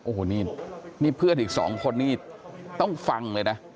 โอ้โหนี่เพื่อนอีกสองคนนี่ต้องฟังเลยนะ